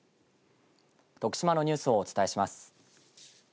徳島のニュースをお伝えします。